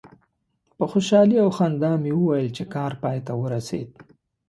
په خوشحالي او خندا مې وویل چې کار پای ته ورسید.